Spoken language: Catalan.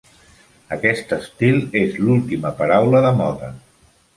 Aquest estil és l'última paraula de moda.